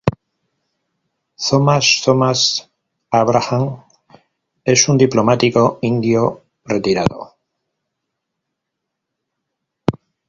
Thomas Thomas Abraham es un diplomático, indio retirado.